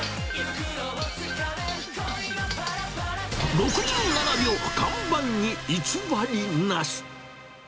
６７秒、看板に偽りなし。